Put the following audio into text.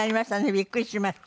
びっくりしました。